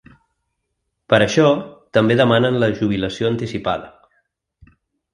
Per això, també demanen la jubilació anticipada.